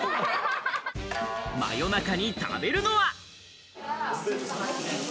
夜中に食べるのは？